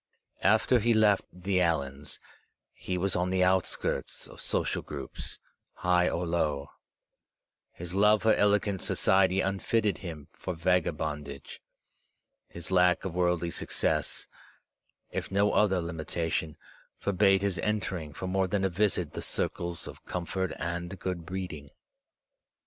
After he left the Allans, he was on the outskirts of social groups, high or low. His love for elegant society unfitted him for vagabondage. His lack of worldly success, if no other limitation, forbade his entering for more than a visit the circles of comfort and good breeding.